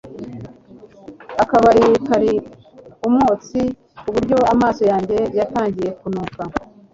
Akabari kari umwotsi kuburyo amaso yanjye yatangiye kunuka